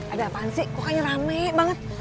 ada apaan sih kokanya rame banget